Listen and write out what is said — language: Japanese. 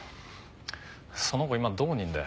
その子今どこにいるんだよ？